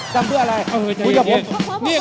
ทำเพื่ออะไรคุณอย่าพบคุณอย่าพบคุณอย่าพบ